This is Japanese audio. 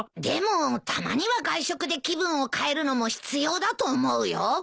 でもたまには外食で気分を変えるのも必要だと思うよ。